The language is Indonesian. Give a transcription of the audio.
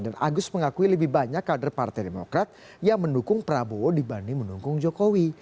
dan agus mengakui lebih banyak kader partai demokrat yang mendukung prabowo dibanding mendukung jokowi